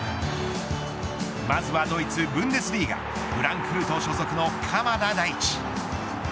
まずはドイツブンデスリーガフランクフルト所属の鎌田大地。